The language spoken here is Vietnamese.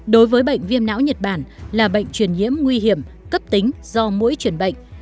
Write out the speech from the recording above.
đối với bệnh viêm não nhật bản là bệnh truyền nhiễm nguy hiểm cấp tính do mũi truyền bệnh